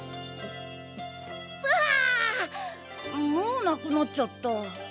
もうなくなっちゃった。